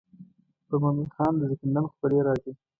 پر مومن خان د زکندن خولې راځي.